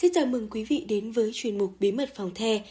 chào mừng quý vị đến với chuyên mục bí mật phòng the